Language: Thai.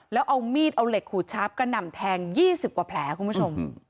แล้วเอามีดเอาเหล็กขูดชาปกระหน่ำแทง๒๐กว่าแผลคุณผู้ชม